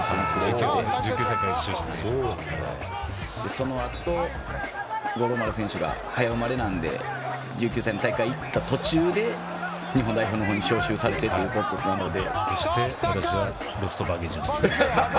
そのあと、五郎丸選手が早生まれなんで１９歳の大会にいった途中で日本代表に招集されてというところなので。